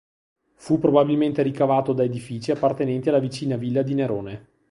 Fu probabilmente ricavato da edifici appartenenti alla vicina villa di Nerone.